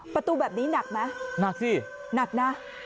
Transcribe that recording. ประตูแบบนี้หนักไหมหนักสิหนักนะ